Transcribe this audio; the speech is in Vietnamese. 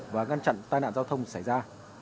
và ngăn chặn tai nạn giao thông xảy ra